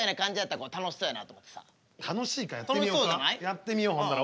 やってみようほんなら。